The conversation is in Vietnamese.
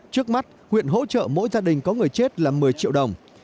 trước mắt huyện hỗ trợ mỗi gia đình có người chết là một mươi triệu đồng